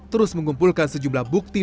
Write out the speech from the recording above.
terus mengumpulkan sejumlah bukti